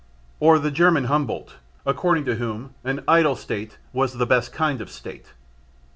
Or the German Humboldt according to whom an "idle" State was the best kind of State?